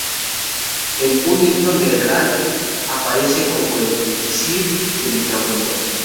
En "Un himno a Nergal" aparece como el visir del inframundo.